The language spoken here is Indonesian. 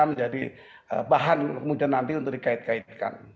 menjadi bahan kemudian nanti untuk dikait kaitkan